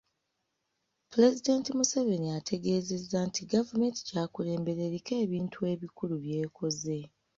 Pulezidenti Museveni ategeezezza nti gavumenti gy'akulembera eriko ebintu ebikulu byekoze.